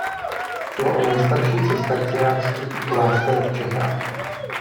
Šlo o nejstarší cisterciácký klášter v Čechách.